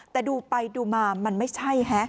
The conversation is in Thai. แต่ดูไปดูมามันไม่ใช่ฮะ